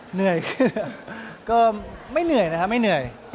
เหนื่อยคือก็ไม่เหนื่อยนะครับไม่เหนื่อย